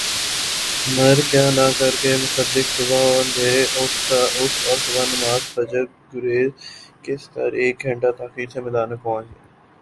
مر کیا نا کر کے مصداق صبح ہ اندھیر اٹھ اور بعد نماز فجر گیرز کس کر ایک گھنٹہ تاخیر سے میدان میں پہنچ گ